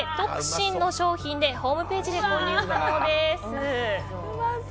心の商品でホームページで購入可能です。